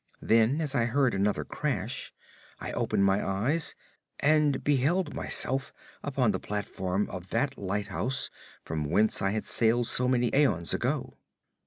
Then as I heard another crash I opened my eyes and beheld myself upon the platform of that lighthouse whence I had sailed so many aeons ago.